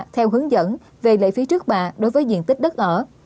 theo hướng dẫn về lệ phí trước bạ đối với diện tích đất ở